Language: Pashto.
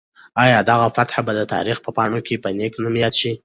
آیا دغه فاتح به د تاریخ په پاڼو کې په نېک نوم یاد شي؟